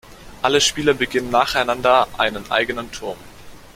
Alle Spieler beginnen nacheinander einen eigenen Turm.